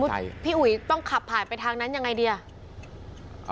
ใช่พี่อุ๋ยต้องขับผ่านไปทางนั้นยังไงดีอ่ะ